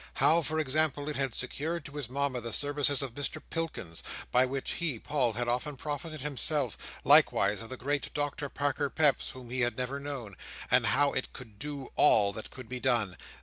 How, for example, it had secured to his Mama the services of Mr Pilkins, by which he, Paul, had often profited himself; likewise of the great Doctor Parker Peps, whom he had never known. And how it could do all, that could be done.